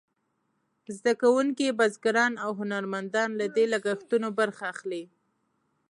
زده کوونکي، بزګران او هنرمندان له دې لګښتونو برخه اخلي.